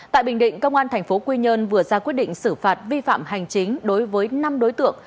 tại bình định công an tp quy nhơn vừa ra quyết định xử phạt vi phạm hành chính đối với năm đối tượng